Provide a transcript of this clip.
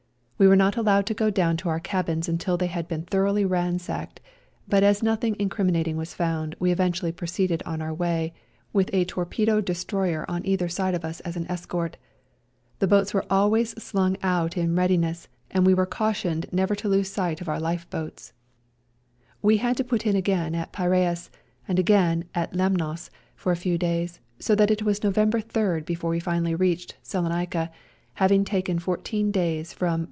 We were not allowed to go down to our cabins until they had been thoroughly ransacked, but as nothing in criminating was found we eventually pro ceeded on our way, with a torpedo destroyer on either side of us as an escort. The boats were always slung out in REJOINING THE SERBIANS 3 readiness, and we were cautioned never to lose sight of our life belts. We had to put in again at Piraeus, and again at Lemnos for a few days, so that it was November 3rd before we finally reached Salonica — having taken fourteen days from.